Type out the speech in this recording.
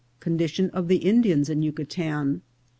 — Condition of the Indians in Yuca tan.